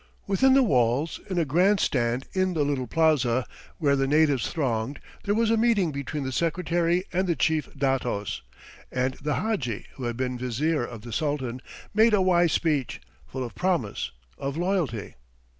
Within the walls, in a grandstand in the little plaza, where the natives thronged, there was a meeting between the Secretary and the chief datos; and the Hadji, who had been Vizier of the Sultan, made a wise speech, full of promise of loyalty.